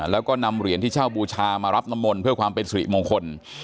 แล้วก็นำเหรียญที่เช่าบูชามารับน้ำมนต์เพื่อความเป็นสุริมงคล